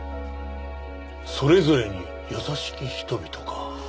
『それぞれに優しき人々』か。